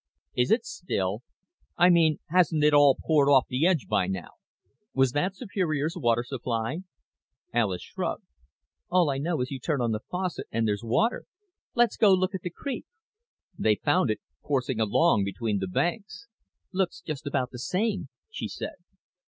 "Is it still? I mean hasn't it all poured off the edge by now? Was that Superior's water supply?" Alis shrugged. "All I know is you turn on the faucet and there's water. Let's go look at the creek." They found it coursing along between the banks. "Looks just about the same," she said.